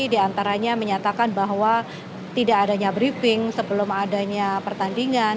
diantaranya menyatakan bahwa tidak adanya briefing sebelum adanya pertandingan